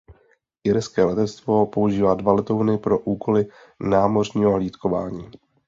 Irské letectvo používá dva letouny pro úkoly námořního hlídkování.